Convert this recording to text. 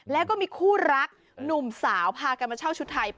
แล้วก็มีคู่รักหนุ่มสาวพากันมาเช่าชุดไทย